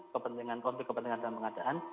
kepentingan konteks kepentingan pengadaan